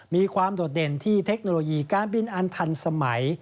โดดเด่นที่เทคโนโลยีการบินอันทันสมัย